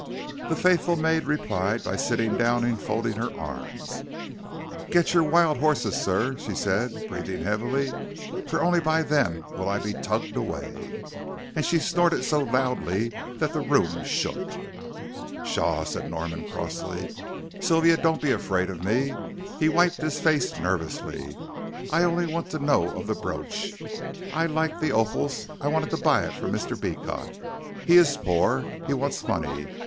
The faithful maid replied by sitting down and folding her arms. "Get your wild horses, sir," she said, breathing heavily, "for only by them will I be tugged away." And she snorted so loudly that the room shook. "Pshaw," said Norman, crossly, "Sylvia, don't be afraid of me." He wiped his face nervously. "I only want to know of the brooch. I like the opals I wanted to buy it from Mr. Beecot. He is poor he wants money.